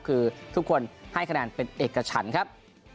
คือทุกคนให้คะแนนเป็นเอกฉันครับ